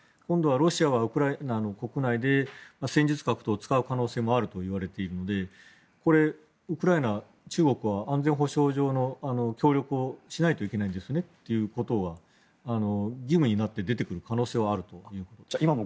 今度はロシアはウクライナの国内で戦術核等を使う可能性があるといわれているのでこれ、ウクライナに中国は安全保障上の協力をしないといけないんですねということが義務になって出てくる可能性はあるということです。